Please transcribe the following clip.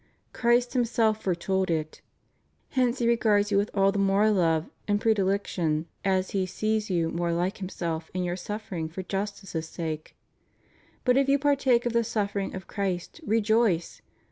Christ Himself foretold it. Hence He regards you with all the more love and predilection as He sees you more like Himself in your suffering for justice' sake. But if you partake of the suffering of Christ, rejoice.